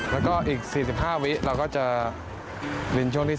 แล้วก็อีก๔๕วิเราก็จะลิ้นช่วงที่๓